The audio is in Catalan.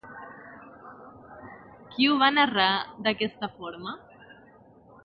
Qui ho va narrar d'aquesta forma?